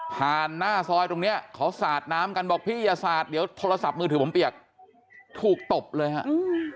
หน้าซอยตรงเนี้ยเขาสาดน้ำกันบอกพี่อย่าสาดเดี๋ยวโทรศัพท์มือถือผมเปียกถูกตบเลยฮะอืม